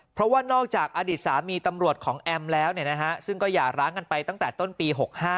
เพราะว่านอกจากอดีตสามีตำรวจของแอมแล้วซึ่งก็หย่าร้างกันไปตั้งแต่ต้นปี๖๕